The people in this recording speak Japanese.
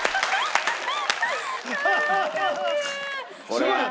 すごいね。